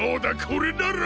これなら。